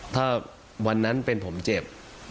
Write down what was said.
ถ้าวันนั้นเป็นผมเจ็บ